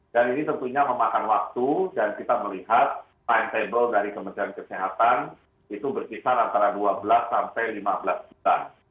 dan ini tentunya memakan waktu dan kita melihat timetable dari kementerian kesehatan itu berkisar antara dua belas sampai lima belas juta